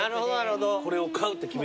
これを買うって決めて。